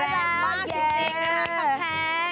แรกมากจริงคำแพง